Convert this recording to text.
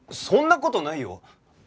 そんな事ないよ！